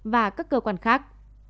và các cơ quan khác